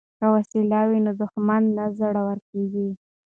که وسله وي نو دښمن نه زړور کیږي.